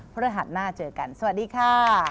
พระหัสหน้าเจอกันสวัสดีค่ะ